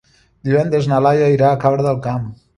Divendres na Laia irà a Cabra del Camp.